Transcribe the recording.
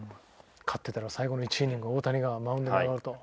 勝ってたら最後の１イニング大谷がマウンドに上がると。